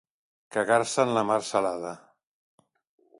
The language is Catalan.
Cagar-se en la mar salada.